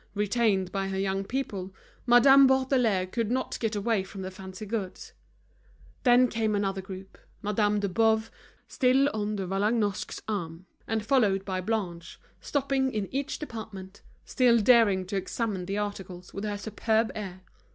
Retained by her young people, Madame Bourdelais could not get away from the fancy goods. Then came another group, Madame de Boves, still on De Vallagnosc's arm, and followed by Blanche, stopping in each department, still daring to examine the articles with her superb air.